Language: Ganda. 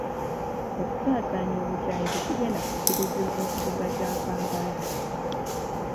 Okusaasaanya obukyayi tekigenda kukkirizibwa mu kibuga kya Kampala .